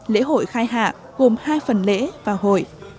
lễ hội khai hạ gồm hai phần lễ và hội